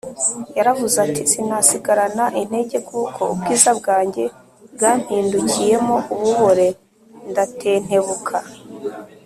yaravuze ati, “sinasigarana intege kuko ubwiza bwanjye bwampindukiyemo ububore ndatentebuka